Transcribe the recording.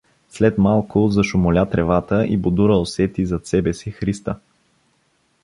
След малко зашумоля тревата и Бодура усети зад себе си Христа.